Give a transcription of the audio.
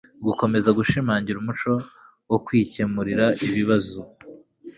gukomeza gushimangira umuco wo kwikemurira ibibazo